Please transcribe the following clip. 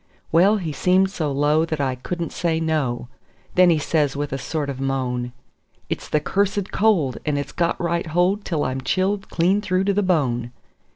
Well, he seemed so low that I couldn't say no; then he says with a sort of moan: "It's the cursed cold, and it's got right hold till I'm chilled clean through to the bone.